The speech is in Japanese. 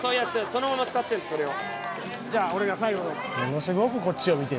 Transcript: そのまま使ってるの、それを！